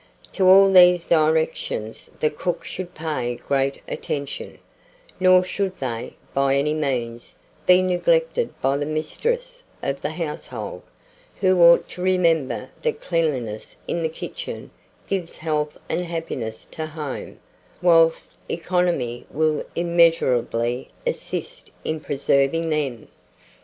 To all these directions the cook should pay great attention, nor should they, by any means, be neglected by the mistress of the household, who ought to remember that cleanliness in the kitchen gives health and happiness to home, whilst economy will immeasurably assist in preserving them.